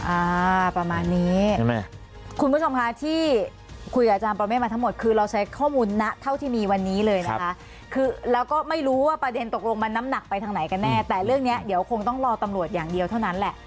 อ่าประมาณนี้ใช่ไหมคุณผู้ชมคะที่คุยกับอาจารย์ประเมฆมาทั้งหมดคือเราใช้ข้อมูลนะเท่าที่มีวันนี้เลยนะคะคือแล้วก็ไม่รู้ว่าประเด็นตกลงมันน้ำหนักไปทางไหนกันแน่แต่เรื่องเนี้ยเดี๋ยวคงต้องรอตำรวจอย่างเดียวเท่านั้นแหละ